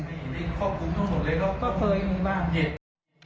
ก็เคยมีบ้าง